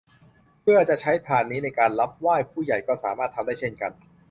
เพื่อจะใช้พานนี้ในการรับไหว้ ผู้ใหญ่ก็สามารถทำได้เช่นกัน